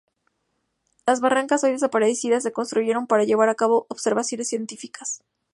Las barracas, hoy desaparecidas, se construyeron para llevar a cabo observaciones científicas.